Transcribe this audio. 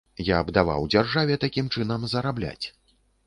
Я б даваў дзяржаве такім чынам зарабляць.